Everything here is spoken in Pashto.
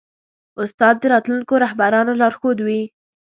استاد د راتلونکو رهبرانو لارښود وي.